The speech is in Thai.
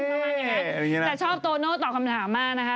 แต่ชอบโตโน่ตอบคำถามมากนะคะ